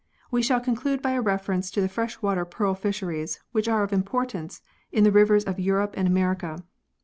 We shall conclude by a reference to the fresh water pearl fisheries which are of importance, in the rivers of Europe and America.